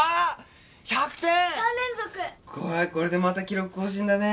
これでまた記録更新だね。